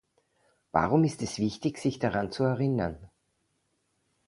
Warum ist es wichtig, sich daran zu erinnern?